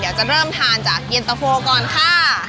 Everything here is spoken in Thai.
เราจะเริ่มทานจากเย็นเตอร์โฟล์ก่อนค่ะ